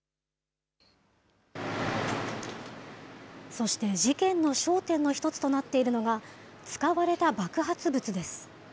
そして、事件の焦点の一つとなっているのが、使われた爆発物です。